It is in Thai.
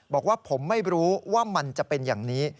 บอกว่าผมไม่รู้ว่ามันจะเป็นอย่างนี้